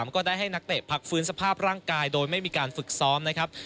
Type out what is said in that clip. ก็ได้ให้นักเตะพักฟื้นสภาพร่างกายโดยไม่มีการฝึกซ้อมนะครับ